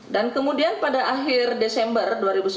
dan kemudian pada akhir desember dua ribu sembilan belas